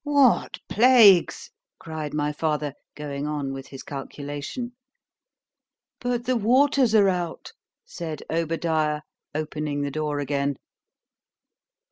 What plagues, cried my father, going on with his calculation.——But the waters are out, said Obadiah,—opening the door again.